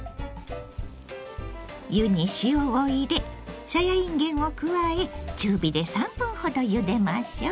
湯に塩を入れさやいんげんを加え中火で３分ほどゆでましょう。